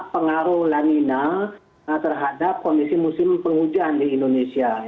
pengaruh lanina terhadap kondisi musim penghujan di indonesia